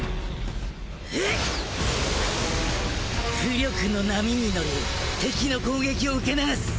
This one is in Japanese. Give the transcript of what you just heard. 巫力の波に乗り敵の攻撃を受け流す。